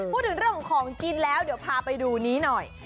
พูดถึงเรื่องของของกินแล้วเดี๋ยวพาไปดูนี้หน่อย